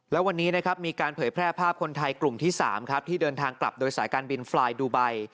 แล้ววันนี้นะครับมีการเผยแพร่ภาพคนไทยกลุ่มที่๓ครับที่เดินทางกลับโดยสายการบินฟลายดูไบ